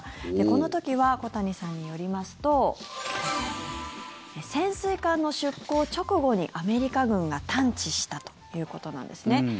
この時は小谷さんによりますと潜水艦の出港直後にアメリカ軍が探知したということなんですね。